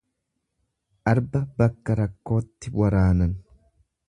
Arba bakka rakkootti waraanan.